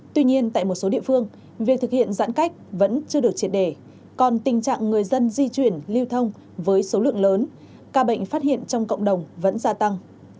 tuy nhiên tại một số địa phương việc thực hiện giãn cách vẫn chưa được triệt đề còn tình trạng người dân di chuyển lưu thông với số lượng lớn ca bệnh phát hiện trong cộng đồng vẫn gia tăng